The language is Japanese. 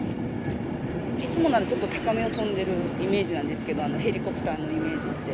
いつもならちょっと高めを飛んでるイメージなんですけど、ヘリコプターのイメージって。